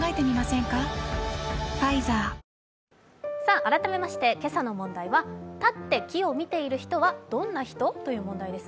改めまして、今朝の問題は立って木を見ている人はどんな人という問題です。